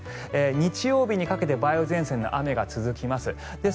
日曜日にかけて梅雨前線の雨雲が続きます。